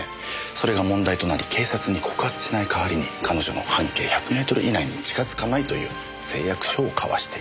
それが問題となり警察に告発しないかわりに彼女の半径１００メートル以内に近づかないという誓約書を交わしていた。